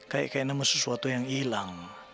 kayak kayak sama sesuatu yang hilang